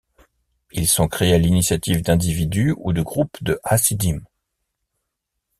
Ils sont créés à l'initiative d'individus ou de groupes de hassidim.